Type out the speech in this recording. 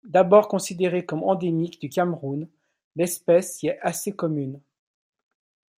D'abord considérée comme endémique du Cameroun, l'espèce y est assez commune.